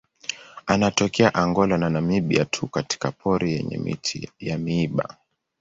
Anatokea Angola na Namibia tu katika pori yenye miti ya miiba.